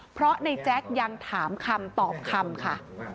เพราะในแจ๊กยังถามคำตอบคำค่ะ